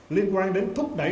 liên quan đến thúc đẩy